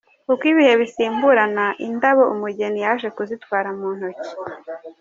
Uko ibihe bisimburana indabo umugeni yaje kuzitwara mu ntoki.